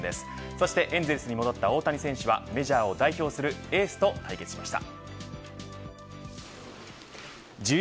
そしてエンゼルスに戻った大谷選手はメジャーを代表するエースと対決しました。